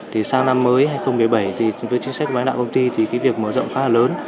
thì sang năm mới hai nghìn một mươi bảy với chính sách máy đạo công ty thì cái việc mở rộng khá là lớn